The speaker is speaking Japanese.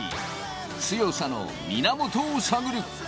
強さの源を探る。